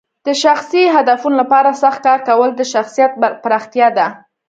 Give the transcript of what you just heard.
د شخصي هدفونو لپاره سخت کار کول د شخصیت پراختیا ده.